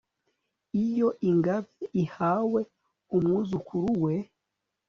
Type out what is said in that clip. iyo ingabe ihawe umwuzukuru we